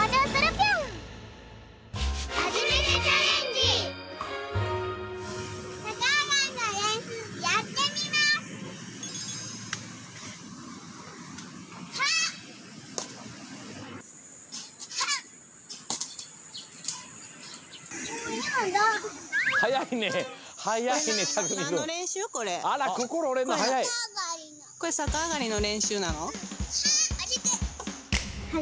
これ逆上がりの練習なの？